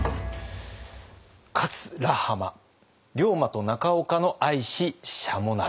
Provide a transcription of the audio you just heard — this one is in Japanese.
「勝ら浜龍馬と中岡の愛ししゃも鍋」。